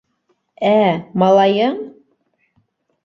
Ә... малайың?